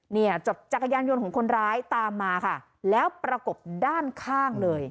เนี่ยจดจักรยานยนต์ของคนร้ายตามมาค่ะแล้วประกบด้านข้างเลย